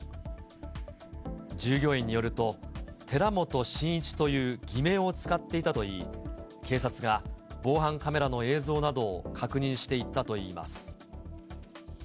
従業員によると、寺本信一という偽名を使っていたといい、警察が防犯カメラの映像などを確認していったといいます。